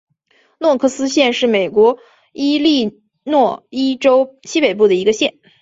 诺克斯县是美国伊利诺伊州西北部的一个县。